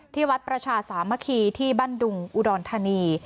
ที่วัดประชาสามัคคีที่บ้านดุงอุดรธานี